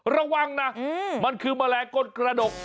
ระวังนะมันคือแมลงก้นกระดก